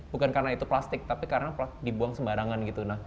bukan karena itu plastik tapi karena dibuang sembarangan gitu